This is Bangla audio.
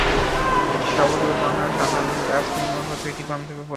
এটি সফল হলে বাংলাদেশআন্তর্জাতিক অ্যাপস নির্মাণ বাজারের একটি গন্তব্যে পরিণত হবে।